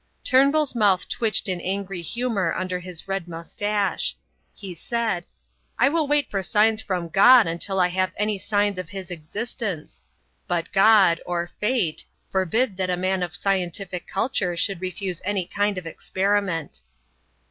Turnbull's mouth twitched in angry humour under his red moustache. He said: "I will wait for signs from God until I have any signs of His existence; but God or Fate forbid that a man of scientific culture should refuse any kind of experiment."